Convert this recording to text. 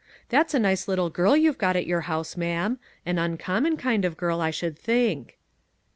That's a nice little girl you've got at your house, ma'am; an uncommon kind of girl, I should think."